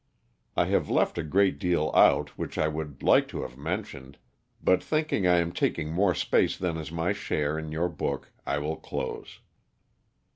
I have left a great deal out which I would like to have mentioned, but thinking I am taking more space than is my share in your book I will close.